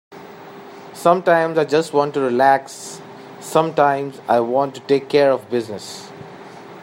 Sometimes I just want to relax, sometimes I want to take care of business.